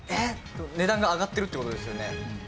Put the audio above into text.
値段が上がってるって事ですよね？